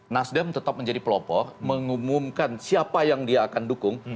nasdem tetap menjadi pelopok mengumumkan siapa yang dia akan dukung